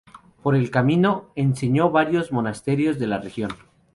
Por el camino, enseñó en varios monasterios de la región.